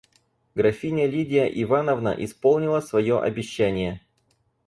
Графиня Лидия Ивановна исполнила свое обещание.